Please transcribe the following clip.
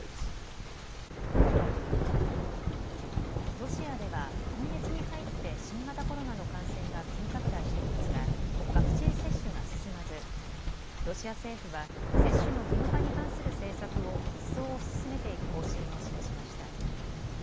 ロシアでは今月に入って新型コロナの感染が急拡大していますがワクチン接種が進まずロシア政府は接種の義務化に関する政策を一層推し進めていく方針を示しました。